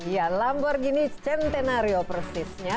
ya lamborghini centenario persisnya